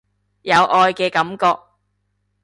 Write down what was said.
有愛嘅感覺